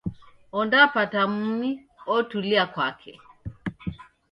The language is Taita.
Ondapata mumi, otulia kwake